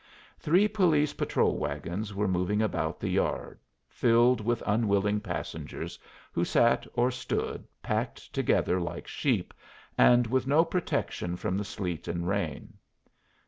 Three police patrol wagons were moving about the yard, filled with unwilling passengers, who sat or stood, packed together like sheep and with no protection from the sleet and rain.